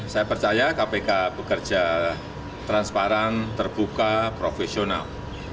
saya percaya kpk bekerja transparan terbuka profesional